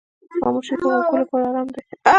خاموشي د غوږو لپاره آرام دی.